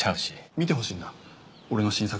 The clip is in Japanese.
見てほしいんだ俺の新作。